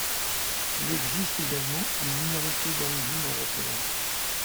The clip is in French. Il existe également une minorité d'origine européenne.